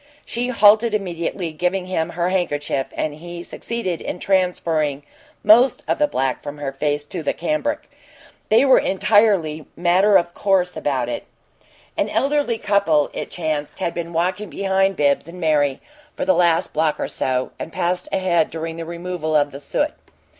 She halted immediately, giving him her handkerchief, and he succeeded in transferring most of the black from her face to the cambric. They were entirely matter of course about it. An elderly couple, it chanced, had been walking behind Bibbs and Mary for the last block or so, and passed ahead during the removal of the soot.